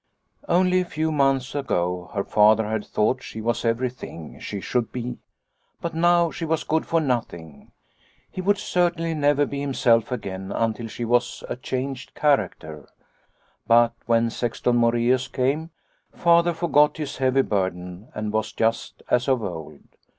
Only a few months ago her Father had thought she was everything she should be, but now she was good for nothing. He would certainly never be himself again until she was a changed character. " But when Sexton Moreus came, Father forgot his heavy burden and was just as of old.